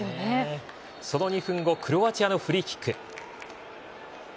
その２分後クロアチアのフリーキック。